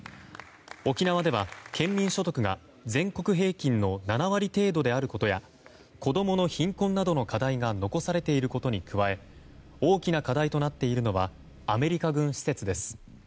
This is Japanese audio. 沖縄では県民所得が全国平均の７割程度であることや子供の貧困などの課題が残されていることに加え大きな課題となっているのはアメリカ軍施設です。